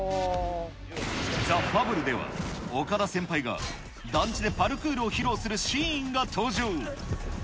ザ・ファブルでは、岡田先輩が団地でパルクールを披露するシーンが登場。